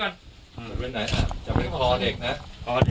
ขอเด็ก